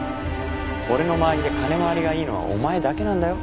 俺の周りで金回りがいいのはお前だけなんだよ。